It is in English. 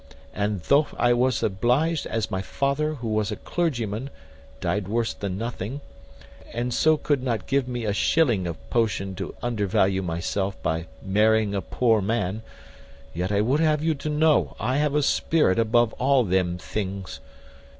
And thof I was obliged, as my father, who was a clergyman, died worse than nothing, and so could not give me a shilling of potion, to undervalue myself by marrying a poor man; yet I would have you to know, I have a spirit above all them things.